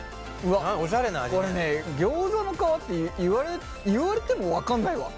これねギョーザの皮って言われても分かんないわ。